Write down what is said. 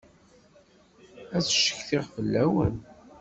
Ad ccetkiɣ fell-awen.